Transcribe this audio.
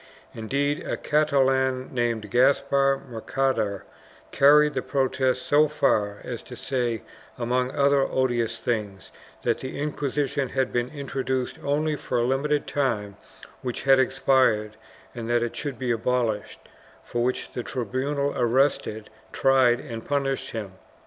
Indeed, a Catalan named Gaspar Mercader carried the protest so far as to say, among other odious things, that the Inquisition had been intro duced only for a limited time which had expired and that it should be abolished, for which the tribunal arrested, tried and punished him.